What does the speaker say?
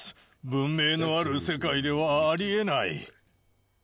文明のある世界ではありえない。